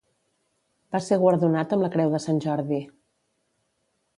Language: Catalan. Va ser guardonat amb la Creu de Sant Jordi.